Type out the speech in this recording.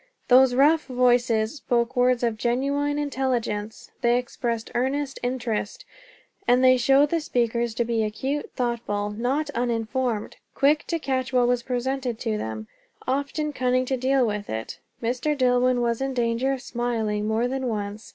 Those rough voices spoke words of genuine intelligence; they expressed earnest interest; and they showed the speakers to be acute, thoughtful, not uninformed, quick to catch what was presented to them, often cunning to deal with it. Mr. Dillwyn was in danger of smiling, more than once.